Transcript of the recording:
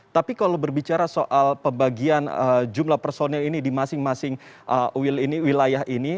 tapi kalau berbicara soal pembagian jumlah personil ini di masing masing wilayah ini